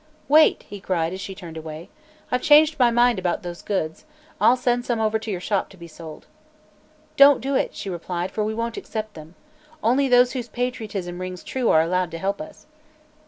"Wait!" he cried, as she turned away. "I've changed my mind about those goods; I'll send some over to your shop to be sold." "Don't do it," she replied, "for we won't accept them. Only those whose patriotism rings true are allowed to help us."